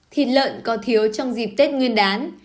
thịt lợn có thiếu trong dịp tết nguyên đán